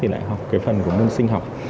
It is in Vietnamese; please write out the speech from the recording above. lại học phần của môn sinh học